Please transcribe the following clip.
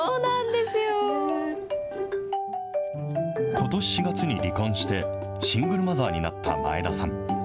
ことし４月に離婚してシングルマザーになった前田さん。